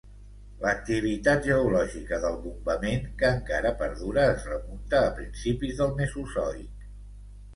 L'activitat geològica del bombament, que encara perdura, es remunta a principis del Mesozoic.